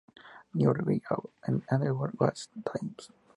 Never give up on the goods times.